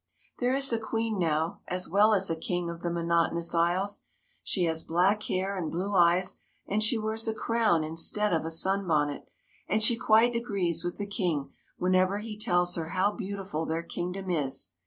There is a Queen now as well as a King of the Monotonous Isles. She has black hair and blue eyes, and she wears a crown instead of a sunbonnet, and she quite agrees with the King whenever he tells her how beautiful their kingdom is.